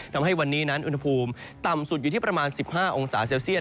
ทำให้วันนี้นั้นอุณหภูมิต่ำสุดอยู่ที่ประมาณ๑๕องศาเซลเซียต